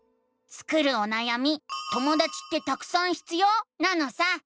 スクるおなやみ「ともだちってたくさん必要？」なのさ！